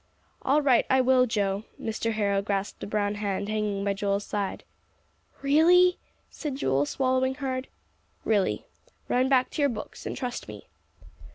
"All right; I will, Joe." Mr. Harrow grasped the brown hand hanging by Joel's side. "Really?" said Joel, swallowing hard. "Really. Run back to your books, and trust me."